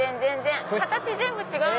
形全部違うので。